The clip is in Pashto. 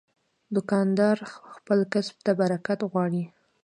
دوکاندار خپل کسب ته برکت غواړي.